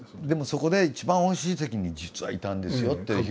「でもそこで一番おいしい席に実はいたんですよ」って